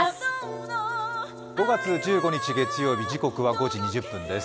５月１５日、月曜日、時刻は５時２０分です。